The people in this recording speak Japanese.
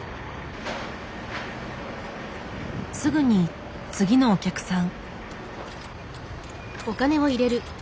すぐに次のお客さん。